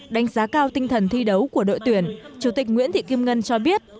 đánh giá cao tinh thần thi đấu của đội tuyển chủ tịch nguyễn thị kim ngân cho biết